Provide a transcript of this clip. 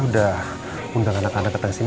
udah undang anak anak datang sini